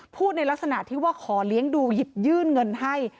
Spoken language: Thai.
พูดในลักษณะที่ว่าขอเลี้ยงดูหยิบยื่นเงินให้